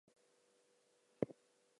She ducks and counterpunches.